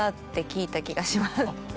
聞いた気がします。